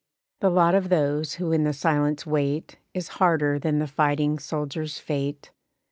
The lot of those who in the silence wait Is harder than the fighting soldiers' fate.